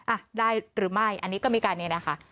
อ่ะได้หรือไม่อันนี้ก็มีการเนี่ยนะคะ